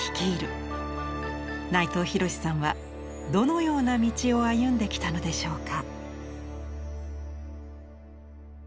内藤廣さんはどのような道を歩んできたのでしょうか。